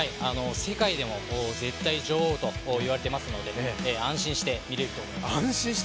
世界でも絶対女王といわれていますので、安心して見れると思います。